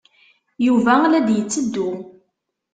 Yuba la d-yetteddu.